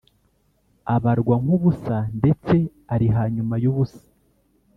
Abarwa nk ubusa ndetse ari hanyuma y ubusa